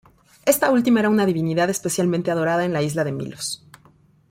Esta última era una divinidad especialmente adorada en la isla de Milos.